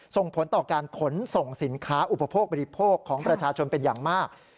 ส่งผลต่อการขนส่งสินค้าอุปโภคบริโภคของประชาชนเป็นอย่างมาก